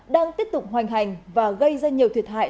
đang tiếp tục hoành hành và gây ra nhiều thiệt hại